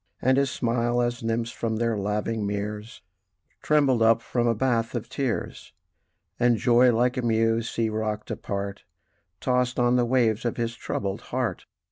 And his smile, as nymphs from their laving meres, Trembled up from a bath of tears; And joy, like a mew sea rocked apart, Tossed on the wave of his troubled heart.